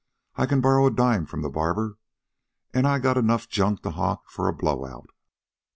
I can borrow a dime from the barber, an' I got enough junk to hock for a blowout."